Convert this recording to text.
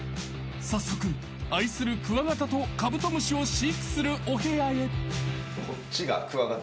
［早速愛するクワガタとカブトムシを飼育するお部屋へ］